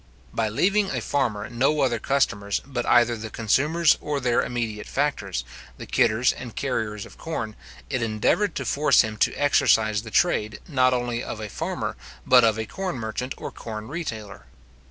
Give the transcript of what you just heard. By leaving a farmer no other customers but either the consumers or their immediate factors, the kidders and carriers of corn, it endeavoured to force him to exercise the trade, not only of a farmer, but of a corn merchant, or corn retailer.